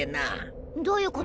どういう事？